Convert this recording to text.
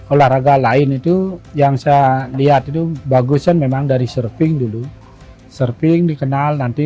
olahraga lain itu yang saya lihat itu bagusnya memang dari surfing dulu surfing dikenal nanti